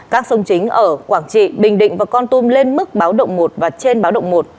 các sông chính ở quảng trị bình định và con tum lên mức báo động một và trên báo động một